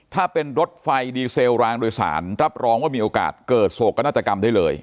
ถ้าเป็นรถไฟดีเซลรางโดยสารรับรองว่ามีโอกาสเกิดโศกนาฏกรรมได้เลย